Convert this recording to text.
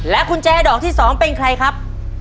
กุญแจดอกที่๒เป็นใครครับ